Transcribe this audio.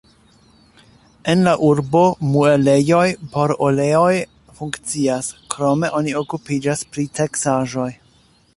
En la urbo muelejoj por oleoj funkcias, krome oni okupiĝas pri teksaĵoj.